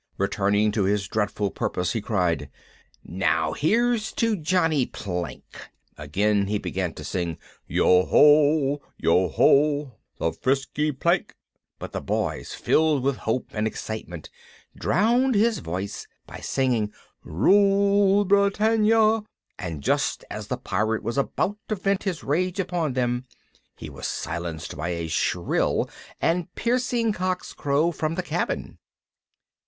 Returning to his dreadful purpose he cried: "Now here's to Johnny Plank!" Again he began to sing, "Yo ho, yo ho, the frisky plank," but the Boys, filled with hope and excitement, drowned his voice by singing "Rule, Britannia," and just as the Pirate was about to vent his rage upon them he was silenced by a shrill and piercing cock's crow from the cabin.